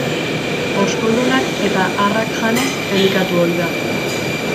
Oskoldunak eta harrak janez elikatu ohi da.